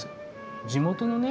地元のね